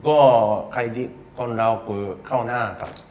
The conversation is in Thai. ก็ใครดีคนเราคือเข้าหน้าครับ